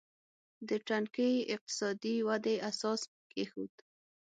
د ټکنۍ اقتصادي ودې اساس کېښود.